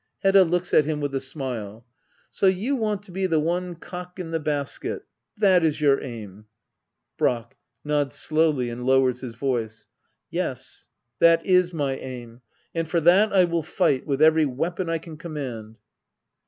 Hedda. [Looks at him with a smile,'] So you want to be the one cock in the basket ^— that is your aim. Brack. [Nods slowly and lowers his voiced] Yes, that is my aim. And for that I will fight — with every weapon I can command.